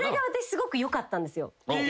すごくよかったんですよ。